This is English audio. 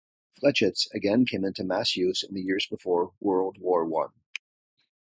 Flechettes again came into mass use in the years before World War One.